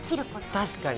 確かに。